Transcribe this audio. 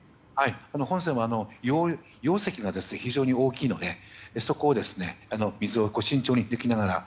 本船は容積が非常に大きいのでそこを慎重に水を抜きながら。